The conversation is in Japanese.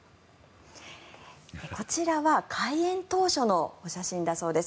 こちらは開園当初のお写真だそうです。